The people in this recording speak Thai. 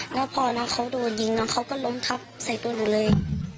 แล้วพอนะเขาโดนยิงเขาก็ล้มทับใส่ตัวหนูเลย